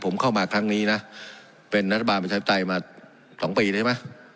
ผมเข้ามาครั้งนี้นะเป็นรัฐบาลประชาธิปไตยมา๒ปีใช่ไหม